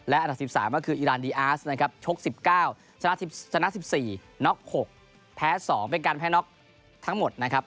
อันดับ๑๓ก็คืออีรานดีอาร์สนะครับชก๑๙ชนะ๑๔น็อก๖แพ้๒เป็นการแพ้น็อกทั้งหมดนะครับ